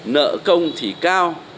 nợ công thì cao